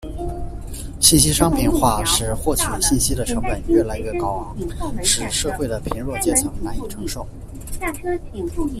信息商品化使获取信息的成本越来越高昂，使社会的贫弱阶层难以承受。